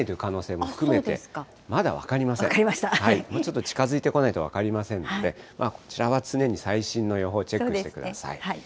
もうちょっと近づいてこないと分かりませんので、こちらは常に最新の予報をチェックしてください。